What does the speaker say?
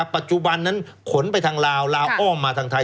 ปัจจุบันนั้นขนไปทางลาวลาวอ้อมมาทางไทย